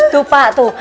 tuh pak tuh